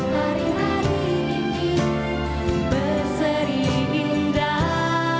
hari hari berseri indah